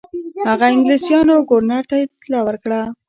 هغه انګلیسیانو ګورنر ته اطلاع ورکړه.